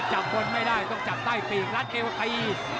จับบนไม่ได้ต้องจับใต้ปีกรัดเอวตี